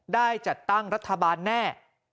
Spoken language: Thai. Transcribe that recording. ได้จัดตั้งรัฐบาลแน่